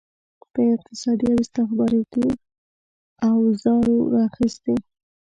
په اقتصادي او استخباراتي اوزارو اخیستي.